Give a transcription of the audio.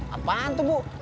apaan tuh bu